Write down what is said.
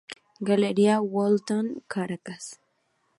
Galería Humboldt, Caracas.